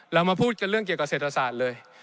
เรามาพูดกันเรื่องเกี่ยวกับเศรษฐศาสตร์เลย